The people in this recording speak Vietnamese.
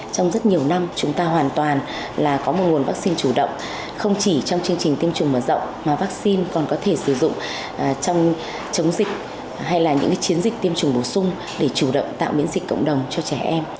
trong rất nhiều năm chúng ta hoàn toàn là có một nguồn vaccine chủ động không chỉ trong chương trình tiêm chủng mở rộng mà vaccine còn có thể sử dụng trong chống dịch hay là những chiến dịch tiêm chủng bổ sung để chủ động tạo miễn dịch cộng đồng cho trẻ em